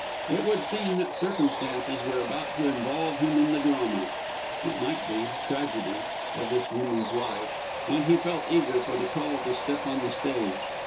It would seem that circumstances were about to involve him in the drama, it might be tragedy of this woman's life, and he felt eager for the call to step on the stage.